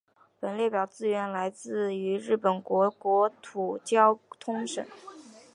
本列表资料来自于日本国国土交通省。